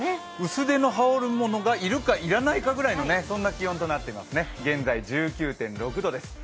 薄手の羽織るものが要るか要らないかくらい、そんな気温となっていますね、現在１９．６度です。